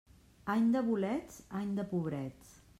Any de bolets, any de pobrets.